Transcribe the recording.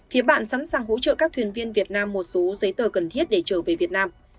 phía bạn sẵn sàng hỗ trợ các thuyền viên việt nam một số giấy tờ cần thiết để trở về việt nam